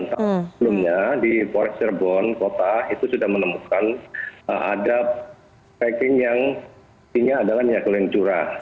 sebelumnya di polres cirebon kota itu sudah menemukan ada packing yang intinya adalah minyak goreng curah